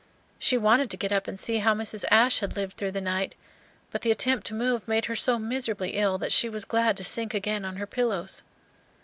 She wanted to get up and see how Mrs. Ashe had lived through the night, but the attempt to move made her so miserably ill that she was glad to sink again on her pillows.